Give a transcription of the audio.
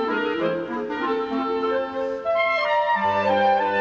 สวัสดีครับสวัสดีครับ